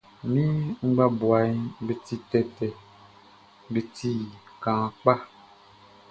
Mi ngbabuaʼm be ti tɛtɛ, be ti kaan kpa.